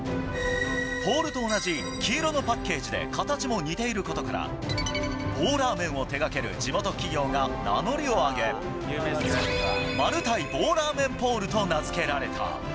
ポールと同じ黄色のパッケージで形も似ていることから、棒ラーメンを手がける地元企業が名乗りを上げ、マルタイ棒ラーメンポールと名付けられた。